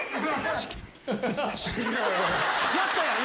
やったやん！